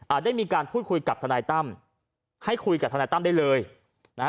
ได้มีการพูดคุยกับทนายตั้มให้คุยกับทนายตั้มได้เลยนะฮะ